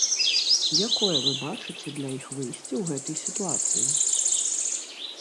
Якое вы бачыце для іх выйсце ў гэтай сітуацыі?